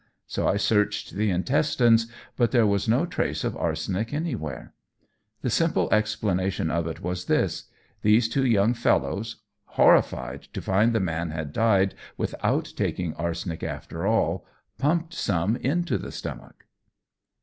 So I searched the intestines, but there was no trace of arsenic anywhere. The simple explanation of it was this, these two young fellows, horrified to find the man had died without taking arsenic after all, pumped some into the stomach."